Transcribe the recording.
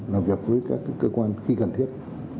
làm việc với các cơ quan khi cần thiết